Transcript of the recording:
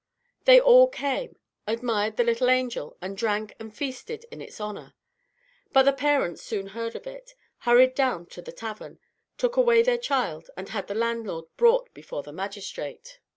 They all came, admired the little angel, and drank and feasted in its honour. But the parents also soon heard of it, hurried down to the tavern, took away their child, and had the landlord brought before the magistrate.